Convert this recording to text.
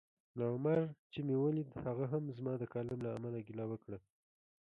ملا عمر چي مې ولید هغه هم زما د کالم له امله ګیله وکړه